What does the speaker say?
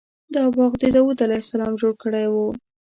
دا باغ داود علیه السلام جوړ کړی و.